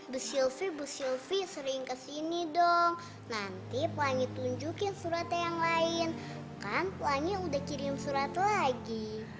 bu sylvi bu sylvi sering ke sini dong nanti pelangi tunjukin suratnya yang lain kan pelangi udah kirim surat lagi